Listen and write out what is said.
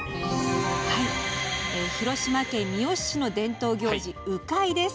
広島県三次市の伝統行事、鵜飼です。